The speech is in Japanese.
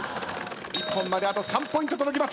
一本まであと３ポイント届きません。